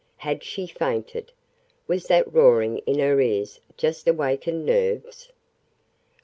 Had she fainted? Was that roaring in her ears just awakened nerves?